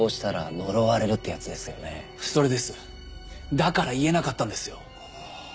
だから言えなかったんですよ。